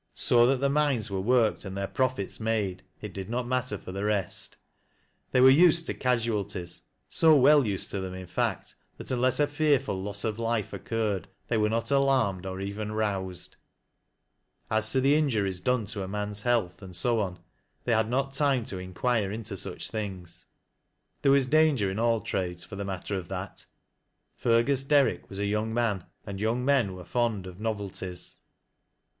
So that the mines were worked, and their profits made, it did nol matter for the rest. They were used to casualties, so well used to them in fact, that unless a fearful loss of life occurred, they were not alarmed or even roused. As to the injuries done to a man's health, and so on— they had not time to inquire into such things. There was danger in all trades, for the matter of that. Fergus Derrick was a young man, and young men were fond of novelties.